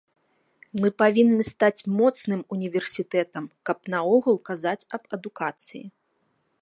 Мы павінны стаць моцным універсітэтам, каб наогул казаць аб адукацыі.